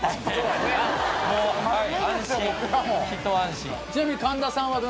一安心。